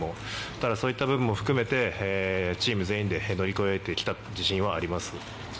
ただ、そういった部分も含めてチーム全員で乗り越えてきた自信はあります。